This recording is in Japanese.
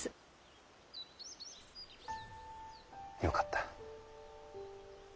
よかった。